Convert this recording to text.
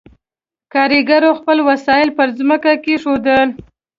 کارګرو خپل وسایل پر ځمکه کېښودل.